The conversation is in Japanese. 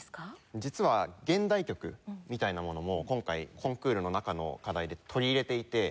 実は現代曲みたいなものも今回コンクールの中の課題で取り入れていて。